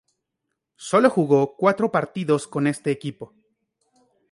Sólo jugó cuatro partidos con este equipo.